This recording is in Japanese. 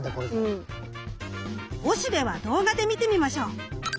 おしべは動画で見てみましょう。